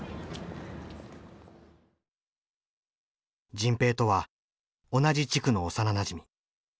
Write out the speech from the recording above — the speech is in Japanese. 迅平とは同じ地区の幼なじみ。